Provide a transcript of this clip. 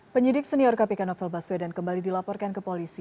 penyidik senior kpk novel baswedan kembali dilaporkan ke polisi